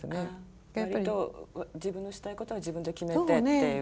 割と自分のしたいことは自分で決めてっていう？